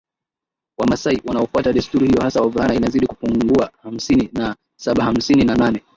Wamasai wanaofuata desturi hiyo hasa wavulana inazidi kupungua hamsini na sabahamsini na nane